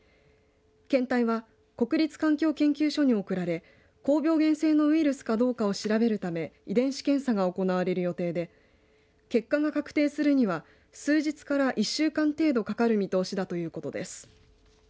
検体は国立環境研究所に送られ高病原性のウイルスかどうかを調べるため遺伝子検査が行われる予定で結果が確定するには数日から１週間程度かかる見通しだということです。